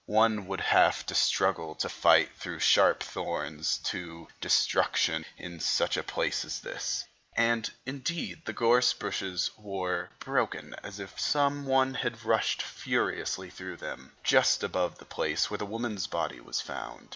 One would have to struggle and fight through sharp thorns to destruction in such a place as this; and indeed the gorse bushes were broken as if some one had rushed furiously through them, just above the place where the woman's body was found.